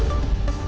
kami akan berbicara